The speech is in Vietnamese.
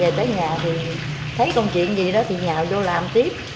về tới nhà thì thấy công chuyện gì đó thì nhào vô làm tiếp